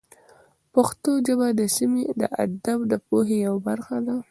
پښتو ژبه د سیمې د ادب او پوهې یوه برخه ده.